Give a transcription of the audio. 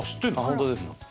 本当ですか？